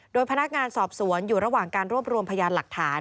โดยพนักงานสอบสวนอยู่ระหว่างการรวบรวมพยานหลักฐาน